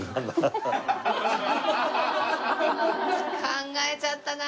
考えちゃったな。